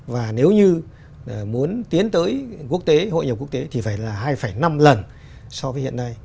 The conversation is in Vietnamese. và nếu như muốn tiến tới quốc tế hội nhập quốc tế thì phải là hai năm lần so với hiện nay